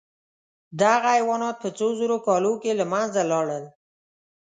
دغه حیوانات په څو زرو کالو کې له منځه لاړل.